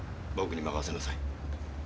僕に任せなさい。